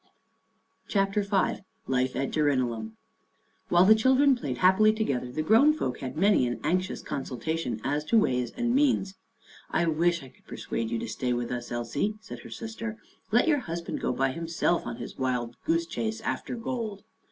CHAPTER V LIFE AT DJERINALLUM While the children played happily together the grown folk had many an anxious consulta tion as to ways and means. 11 I wish I could persuade you to stay with us, Elsie," said her sister. " Let your husband go by himself, on his wild goose chase after gold."